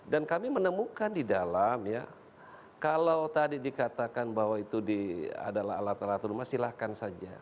dan kami menemukan di dalam kalau tadi dikatakan bahwa itu adalah alat alat rumah silakan saja